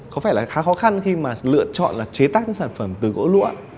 có phải là khá khó khăn khi mà lựa chọn là chế tác những sản phẩm từ gỗ lũa